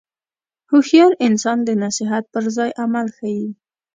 هوښیار انسان د نصیحت پر ځای عمل ښيي.